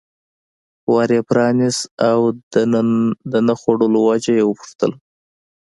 ور یې پرانست او د نه خوړلو وجه یې وپوښتل.